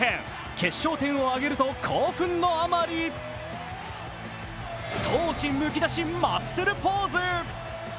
決勝点を挙げると興奮のあまり闘志むき出しマッスルポーズ。